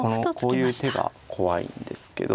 このこういう手が怖いんですけど。